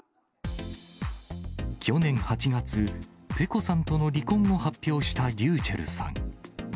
去年８月、ペコさんとの離婚を発表したｒｙｕｃｈｅｌｌさん。